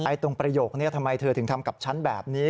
ตรงประโยคนี้ทำไมเธอถึงทำกับฉันแบบนี้